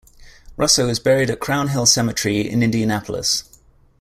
Russo is buried at Crown Hill Cemetery in Indianapolis.